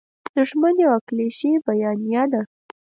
دوښمن یوه کلیشیي بیانیه ده.